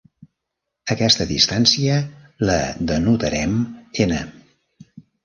Aquesta distància la denotarem "n".